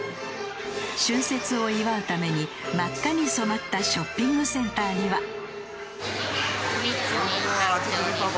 春節を祝うために真っ赤に染まったショッピングセンターには。